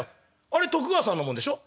「あれ徳川さんのもんでしょ？」。